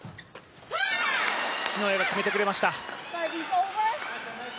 篠谷が決めてくれました。